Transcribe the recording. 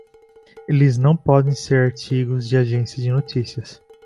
Eles não podem ser artigos de agências de notícias.